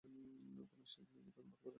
উপন্যাসটি ইংরেজিতে অনুবাদ করেন কায়সার হক।